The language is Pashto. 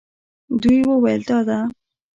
دوی وویل دا ده.